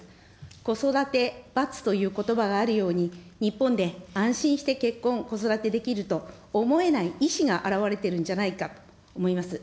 子育てばつということばがあるように、日本で安心して結婚、子育てできると思えない意思が現れてるんじゃないかと思います。